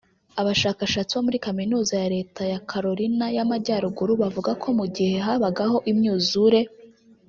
Abashakashatsi bo muri Kaminuza ya Leta ya Carolina y’Amajyaruguru bavuga ko mu gihe habagaho imyuzure